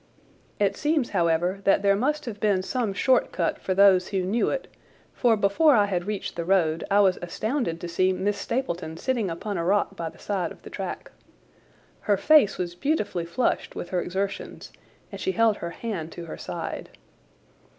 It seems, however, that there must have been some short cut for those who knew it, for before I had reached the road I was astounded to see Miss Stapleton sitting upon a rock by the side of the track. Her face was beautifully flushed with her exertions and she held her hand to her side.